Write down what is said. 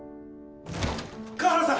河原さん